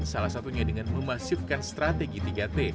salah satunya dengan memasifkan strategi tiga t